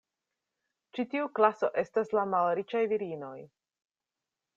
Ĉi tiu klaso estas la malriĉaj virinoj.